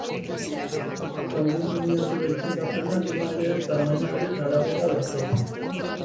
Zaldi miniatura izendapena animaliaren tamainaren arabera dator.